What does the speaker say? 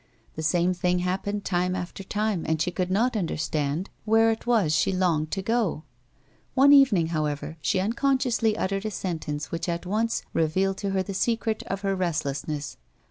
The same thing happened time after time and she could not understand where it was she longed to go ; one evening, however, she unconsciously uttered a sentence which at once revealed to her the secret of her restlessness.